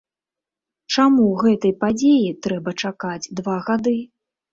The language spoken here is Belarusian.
Чаму гэтай падзеі трэба чакаць два гады?